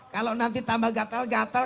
kalau nanti tambah gatel gatel